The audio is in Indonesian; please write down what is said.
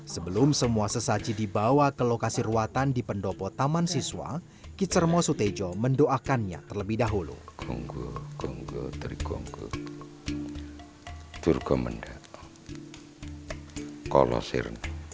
sebelum semua sesajinya berakhir